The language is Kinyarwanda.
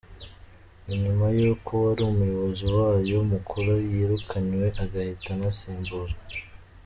Ni nyuma y’uko uwari umuyobozi wayo mukuru yirukanywe agahita anasimbuzwa.